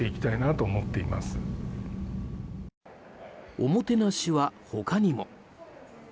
おもてなしは他にも。